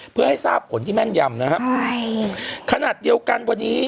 เพื่อให้ทราบผลที่แม่นยำนะครับใช่ขนาดเดียวกันวันนี้